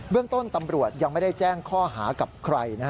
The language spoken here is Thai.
เรื่องต้นตำรวจยังไม่ได้แจ้งข้อหากับใคร